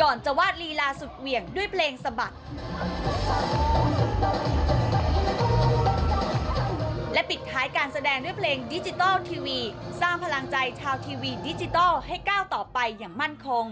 ก็ให้ก้าวต่อไปอย่างมั่นคง